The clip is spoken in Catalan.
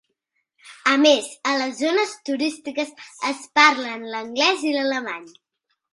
A més, a les zones turístiques, es parlen l'anglès i l'alemany.